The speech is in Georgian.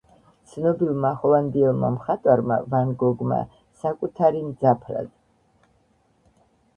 ცნობილმა ჰოლანდიელმა მხატვარმა ვან გოგმა საკუთარი მძაფრად.